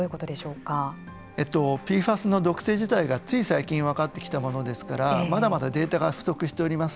ＰＦＡＳの毒性自体がつい最近分かってきたものですからまだまだデータが不足しております。